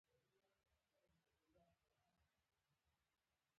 د ملک په وړو کې شګه وه په غوسه کې و.